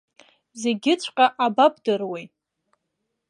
Зегьыҵәҟьа абабдыруеи!